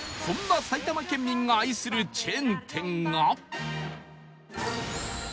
そんな埼玉県民が愛するチェーン店が